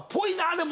でも。